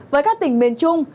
với các tỉnh miền trung